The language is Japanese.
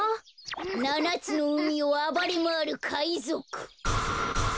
ななつのうみをあばれまわるかいぞく